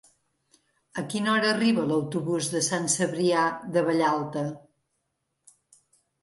A quina hora arriba l'autobús de Sant Cebrià de Vallalta?